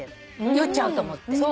酔っちゃうと思って。